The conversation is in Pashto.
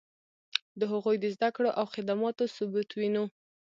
د هغوی د زدکړو او خدماتو ثبوت وینو.